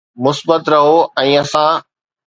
مثبت رهو ۽ اسان